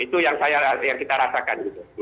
itu yang kita rasakan